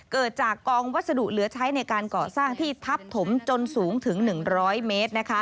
เกิดจากกองวัสดุเหลือใช้ในการก่อสร้างที่ทับถมจนสูงถึง๑๐๐เมตร